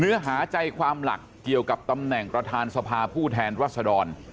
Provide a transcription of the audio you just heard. เนื้อหาใจความหลักเกี่ยวกับตำแหน่งประธานสภาผู้แทนรัศดร